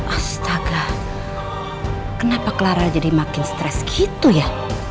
astaga kenapa clara jadi makin stres gitu ya